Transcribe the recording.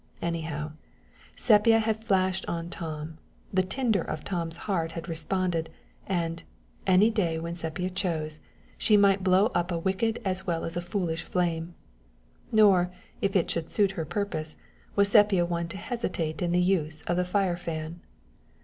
Anyhow, Sepia had flashed on Tom, the tinder of Tom's heart had responded, and, any day when Sepia chose, she might blow up a wicked as well as foolish flame; nor, if it should suit her purpose, was Sepia one to hesitate in the use of the fire fan.